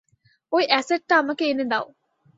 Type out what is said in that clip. ওই অ্যাসেটটা আমাকে এনে দাও।